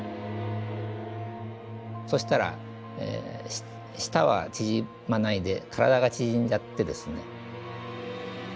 そしたら舌は縮まないで体が縮んじゃってですね。